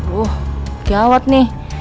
wuh gawat nih